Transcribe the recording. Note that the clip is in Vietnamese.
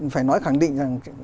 phải nói khẳng định rằng